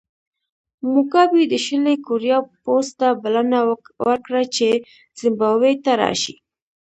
موګابي د شلي کوریا پوځ ته بلنه ورکړه چې زیمبابوې ته راشي.